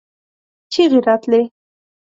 چيغې راتلې.